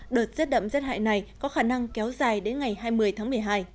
đợt rét đậm rét hại này có khả năng kéo dài đến ngày hai mươi tháng một mươi hai